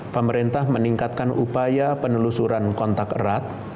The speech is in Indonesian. pemerintah meningkatkan upaya penelusuran kontak erat